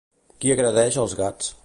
Qui agredeix els gats?